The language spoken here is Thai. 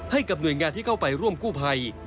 ให้กับหน่วยงานที่เข้าไปร่วมกู้ภัย